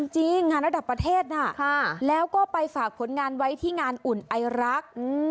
จริงงานระดับประเทศนะแล้วก็ไปฝากผลงานไว้ที่งานอุ่นไอรัก